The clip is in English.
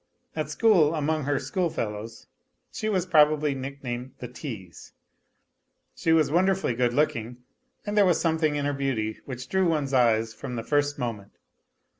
At school among her schoolfellows she was probably nicknamed the Tease. She was wonderfully good looking, and there was something in her beauty which drew one's eyes from the first moment.